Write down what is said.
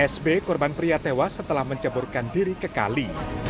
sb korban pria tewas setelah menceburkan diri ke kali